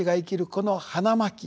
この花巻